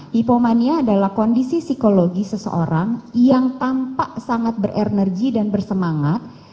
hipomania adalah kondisi psikologi seseorang yang tampak sangat berenergi dan bersemangat